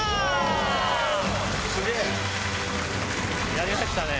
やりましたね。